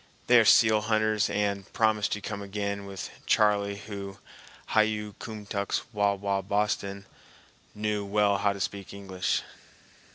They are seal hunters and promised to come again with "Charley," who "hi yu kumtux wawa Boston"—knew well how to speak English.